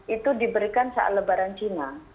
itu diberikan saat lebaran cina